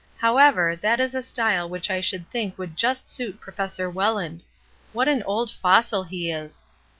However, that is a style which I should think would just suit Professor Welland. What an old fossil he is